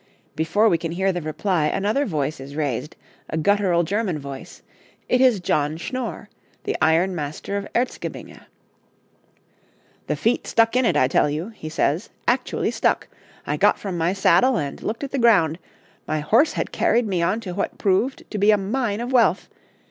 Before we can hear the reply another voice is raised, a guttural German voice; it is John Schnorr, the ironmaster of Erzgebinge. 'The feet stuck in it, I tell you,' he says 'actually stuck! I got from my saddle and looked at the ground. My horse had carried me on to what proved to be a mine of wealth.